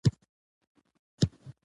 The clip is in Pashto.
انعام الله انګرېزي ژبه زده کوي.